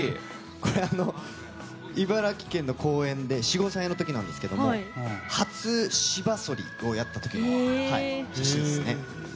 これは、茨城県の公園で４５歳の時なんですけれども初芝そりをやった時の写真ですね。